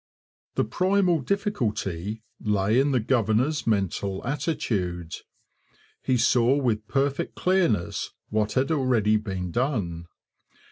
The primal difficulty lay in the governor's mental attitude. He saw with perfect clearness what had already been done.